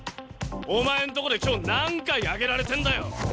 お前んとこで今日何回上げられてんだよ。